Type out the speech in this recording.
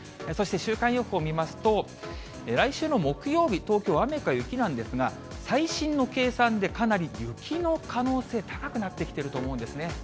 そして週間予報見ますと、来週の木曜日、東京、雨か雪なんですが、最新の計算でかなり雪の可能性、高くなってきていると思うんですね。